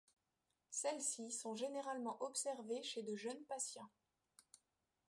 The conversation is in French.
Celles-ci sont généralement observées chez de jeunes patients.